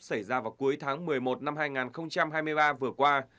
xảy ra vào cuối tháng một mươi một năm hai nghìn hai mươi ba vừa qua